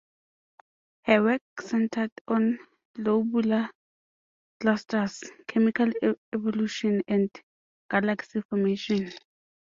Her work centered on globular clusters, chemical evolution and galaxy formation.